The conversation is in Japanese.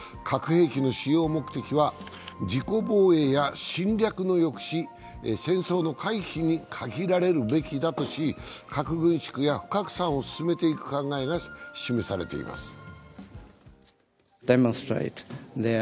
核兵器の使用目的は自己防衛や侵略の抑止、戦争の回避に限られるべきだとし、核軍縮や不拡散を進めていく考えが示されています。